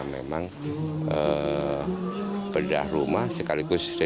yang memang berdah rumah sekaligus renovasi pondok pesantren